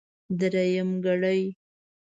درېمګړی.